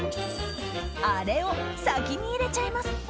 アレを先に入れちゃいます！